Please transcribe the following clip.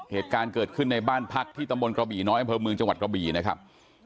เหตุการณ์เกิดขึ้นในบ้านพักที่ตำบลกระบี่น้อยอำเภอเมืองจังหวัดกระบี่นะครับ